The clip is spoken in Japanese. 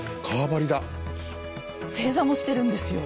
正座もしてるんですよ。